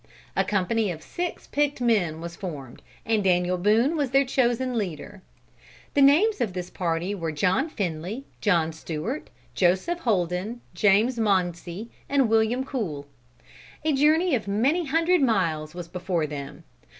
A company of six picked men was formed, and Daniel Boone was chosen their leader. The names of this party were John Finley, John Stewart, Joseph Holden, James Moncey, and William Cool. A journey of many hundred miles was before them.